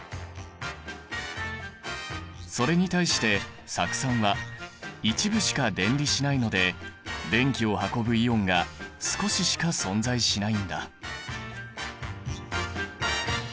それに対して酢酸は一部しか電離しないので電気を運ぶイオンが少ししか存在しないんだ。